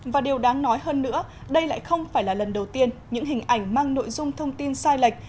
và điều đáng nói hơn nữa đây lại không phải là lần đầu tiên những hình ảnh mang nội dung thông tin sai lệch